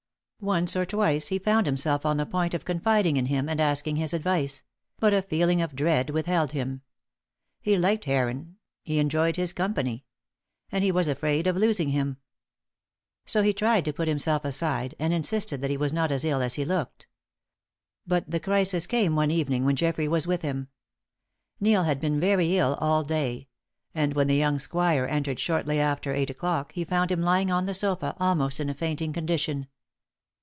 Once or twice he found himself on the point of confiding in him and asking his advice: but a feeling of dread withheld him. He liked Heron he enjoyed his company; and he was afraid of losing him. So he tried to put himself aside, and insisted that he was not as ill as he looked. But the crisis came one evening when Geoffrey was with him. Neil had been very ill all day; and when the young squire entered shortly after eight o'clock, he found him lying on the sofa almost in a fainting condition.